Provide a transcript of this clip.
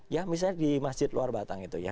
ya misalnya di masjid luar batang itu ya